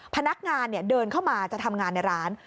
พนักงานเดินเข้ามาจะทำงานในร้าน